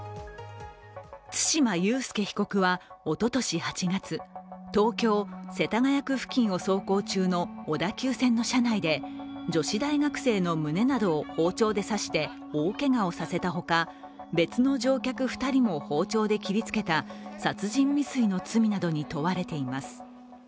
対馬悠介被告はおととし８月、東京・世田谷区付近を走行中の小田急線の車内で、女子大学生の胸などを包丁で刺して大けがをさせたほか、別の乗客２人も包丁で切りつけた殺人未遂の罪などに問われています。